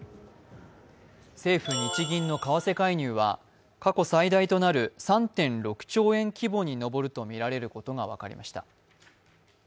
政府・日銀の為替介入は過去最大となる３．６兆円規模に上るとみられることが分かりました。